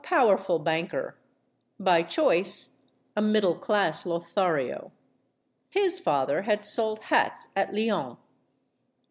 powerful banker, by choice a middle class Lothario. His father had sold hats at Lyons.